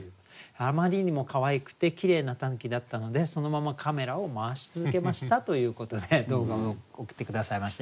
「あまりにもかわいくてきれいな狸だったのでそのままカメラを回し続けました」ということで動画を送って下さいました。